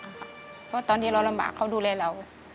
เพราะตอนที่เราลำบากเขาดูแลเรา